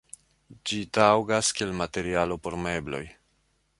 Ĝi taŭgas kiel materialo por mebloj.